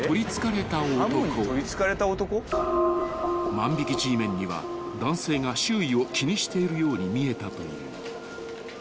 ［万引Ｇメンには男性が周囲を気にしているように見えたという］